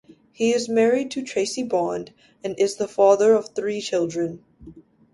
He is married to Tracey Bond and is the father of three children.